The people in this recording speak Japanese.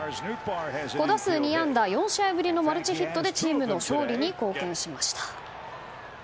５打数２安打４試合ぶりのマルチヒットでチームの勝利に貢献しました。